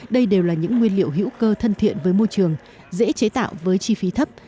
đây đều là những nguyên liệu hữu cơ thân thiện với môi trường dễ chế tạo với chi phí thấp